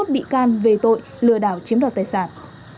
bị can về tội lừa đảo chiếm đoạt tài sản